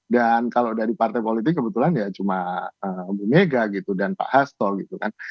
dan kalau dari partai politik kebetulan ya cuma bu mega gitu dan pak hastol gitu kan